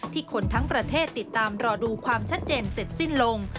คนทั้งประเทศติดตามรอดูความชัดเจนเสร็จสิ้นลง